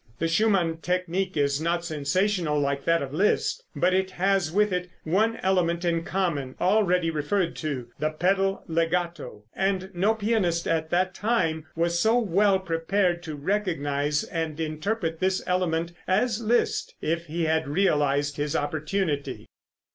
The Schumann technique is not sensational, like that of Liszt, but it has with it one element in common, already referred to the pedal legato and no pianist of that time was so well prepared to recognize and interpret this element as Liszt if he had realized his opportunity.